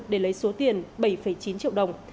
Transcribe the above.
để lấy số tiền bảy chín triệu đồng